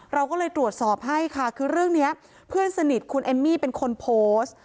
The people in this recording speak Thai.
เราก็เลยตรวจสอบให้ค่ะคือเรื่องนี้เพื่อนสนิทคุณเอมมี่เป็นคนโพสต์